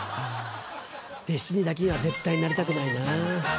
弟子にだけは絶対なりたくないな。